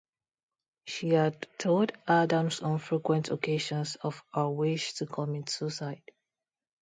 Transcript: She had told Adams on frequent occasions of her wish to commit suicide.